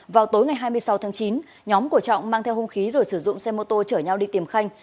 vào tối ngày hai mươi sáu tháng chín nhóm của trọng mang theo hung khí rồi sử dụng xe mô tô chở nhau đi tìm khanh